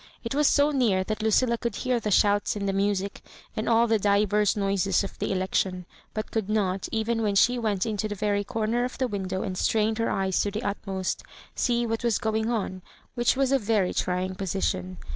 It was so near that Lucilla could hear the shouts and the music and all the divers noises of the elec tion, but could not, even when she went into the very comer of the window and strained her eyes to the utmost, see what was going on, which was a very trying position.